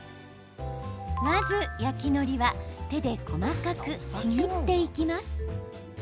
まず焼きのりは手で細かくちぎっていきます。